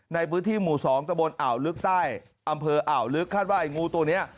ในพื้นที่หมู่๒ตะบนอ่าวลึกใต้อำเภออ่าวลึกคาดว่าไอ้งูตัวนี้